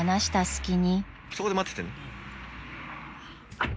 そこで待っててね。